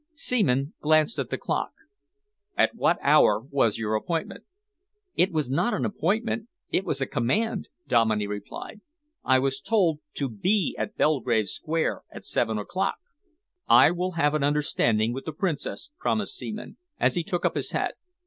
Seaman glanced at the clock. "At what hour was your appointment?" "It was not an appointment, it was a command," Dominey replied. "I was told to be at Belgrave Square at seven o'clock." "I will have an understanding with the Princess," promised Seaman, as he took up his hat.